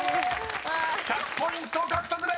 ［１００ポイント獲得です！］